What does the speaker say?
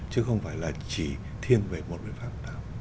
chứ không phải là chỉ thiên về một nguyên pháp nào